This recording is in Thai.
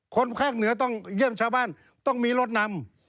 คนภาคเหนือต้องเยี่ยมชาวบ้านต้องมีรถนำ